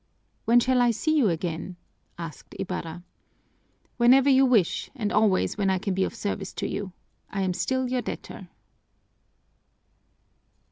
"When shall I see you again?" asked Ibarra. "Whenever you wish and always when I can be of service to you. I am still your debtor."